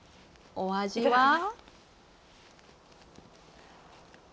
お味は。